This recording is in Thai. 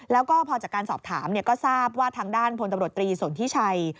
แล้วก็พอจากการสอบถามก็ทราบว่าทางด้านพลตำรวจตรีสนทิชัย